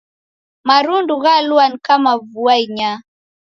Marundu ghalua ni kama vua inyaa